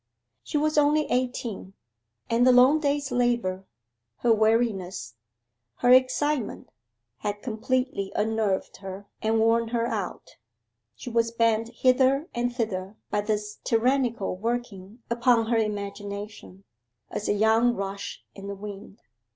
She was only eighteen, and the long day's labour, her weariness, her excitement, had completely unnerved her, and worn her out: she was bent hither and thither by this tyrannical working upon her imagination, as a young rush in the wind.